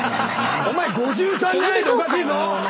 お前５３じゃないとおかしいぞ！